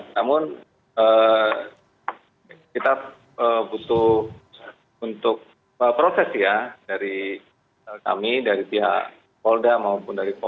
namun kita butuh untuk proses ya dari kami dari pihak polda maupun dari polres